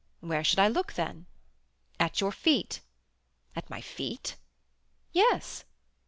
"Where should I look, then?" "At your feet." "At my feet?" "Yes."